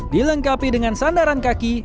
dilengkapi dengan sandaran kaki